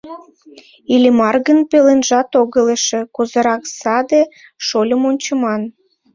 Иллимар гын паленжат огыл эше, кузерак саде шольым ончыман.